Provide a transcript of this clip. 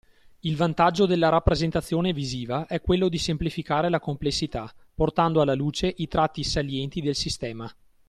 Il vantaggio della rappresentazione visiva è quello di semplificare la complessità, portando alla luce i tratti salienti del sistema.